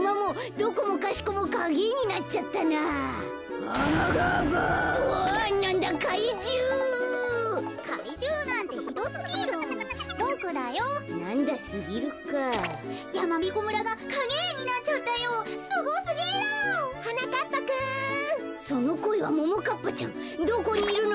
どこにいるの？